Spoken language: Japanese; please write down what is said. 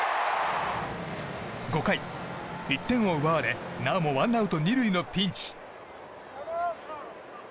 ５回、１点を奪われなおもワンアウト２塁のピンチ。